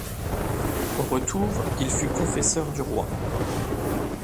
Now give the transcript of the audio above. Au retour, il fut confesseur du roi.